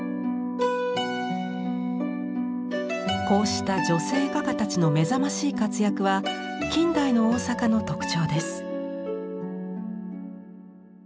こうした女性画家たちの目覚ましい活躍は近代の大阪の特徴です。